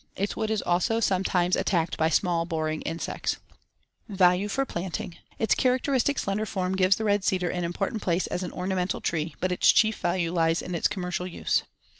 Its wood is also sometimes attacked by small boring insects. Value for planting: Its characteristic slender form gives the red cedar an important place as an ornamental tree, but its chief value lies in its commercial use.